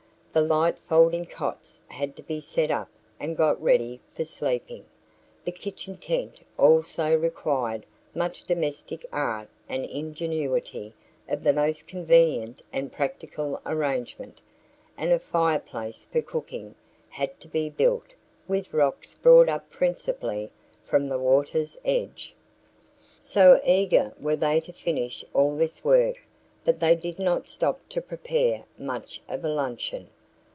The light folding cots had to be set up and got ready for sleeping, the kitchen tent also required much domestic art and ingenuity for the most convenient and practical arrangement, and a fireplace for cooking had to be built with rocks brought up principally from the water's edge. So eager were they to finish all this work that they did not stop to prepare much of a luncheon.